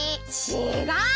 ちがう！